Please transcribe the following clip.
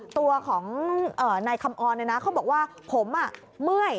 ตัวของในคำออนน่ะนะเขาบอกว่าผมอ่ะเมื่อย